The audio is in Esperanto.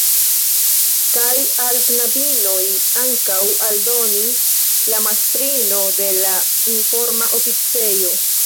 Kaj al knabinoj ankaŭ, aldonis la mastrino de la informa oficejo.